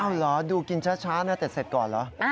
เอาเหรอดูกินช้านะแต่เสร็จก่อนเหรอ